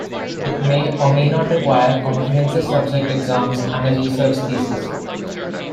It may or may not require comprehensive subject exams and a research thesis.